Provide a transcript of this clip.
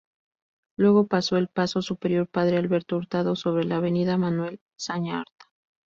Luego paso el Paso Superior Padre Alberto Hurtado, sobre la Avenida Manuel Zañartu.